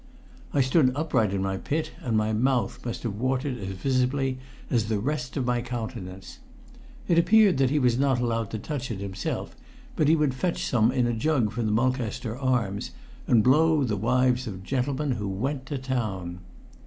I stood upright in my pit, and my mouth must have watered as visibly as the rest of my countenance. It appeared he was not allowed to touch it himself, but he would fetch some in a jug from the Mulcaster Arms, and blow the wives of the gentlemen who went to town!